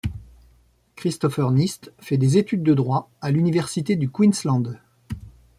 Christopher Nyst fait des études de droit à l'université du Queensland.